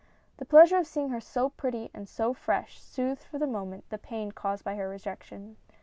The pleasure of see ing her so pretty and so fresh, soothed for the moment the pain caused by her rejection.